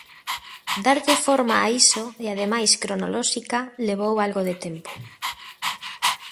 Darlle forma a iso, e ademais cronolóxica, levou algo de tempo.